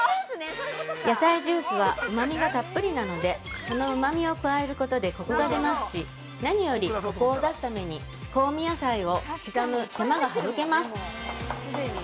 野菜ジュースはうまみがたっぷりなのでそのうまみを加えることでコクが出ますし何より、コクを出すために香味野菜を刻む手間が省けます。